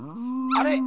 あれ？